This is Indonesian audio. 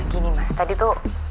gini mas tadi tuh